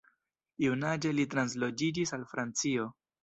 Junaĝe li transloĝiĝis al Francio.